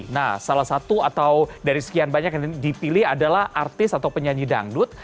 nah salah satu atau dari sekian banyak yang dipilih adalah artis atau penyanyi dangdut